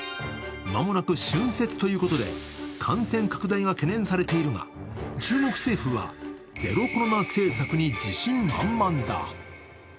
間もなく春節ということで感染拡大が懸念されているが中国政府は、ゼロコロナ政策に自信満々だ。